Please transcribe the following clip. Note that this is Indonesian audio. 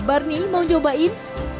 mbak berni mau cobain